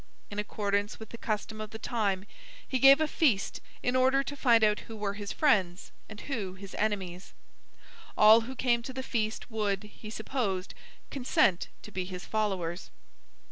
In accordance with the custom of the time, he gave a feast in order to find out who were his friends and who his enemies. All who came to the feast would, he supposed, consent to be his followers.